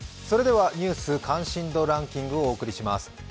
それでは、ニュース関心度ランキングをお届けします。